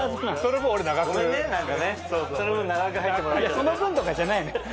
その分とかじゃないのよ。